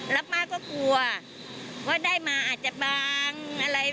แล้วป้าก็กลัวว่าได้มาอาจจะบางอะไร